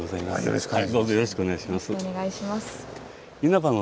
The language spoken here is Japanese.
よろしくお願いします。